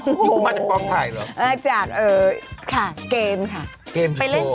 นี่คุณมาจากปลอมไข่หรือจากเอ่อค่ะเกมค่ะ